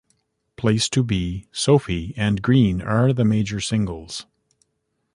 "Place To Be", "Sophie" and "Green" are the major singles.